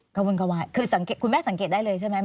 กระวนกระวายคือคุณแม่สังเกตได้เลยใช่ไหม